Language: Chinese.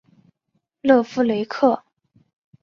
勒夫雷克。